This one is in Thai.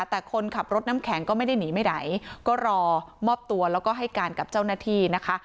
แต่คนขับรถน้ำแข็งก็ไม่ได้หนีไปไหนก็รอมอบตัวแล้วก็ให้การกับเจ้าหน้าที่นะคะ